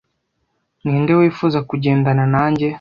Ninde wifuza kugendana nanjye?